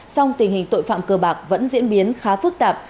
song tình hình tội phạm cơ bạc vẫn diễn biến khá phức tạp